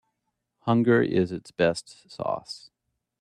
Hunger is the best sauce.